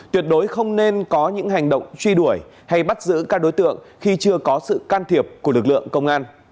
tuyệt đối không nên có những hành động truy đuổi hay bắt giữ các đối tượng khi chưa có sự can thiệp của lực lượng công an